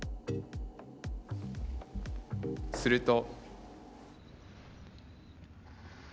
すると。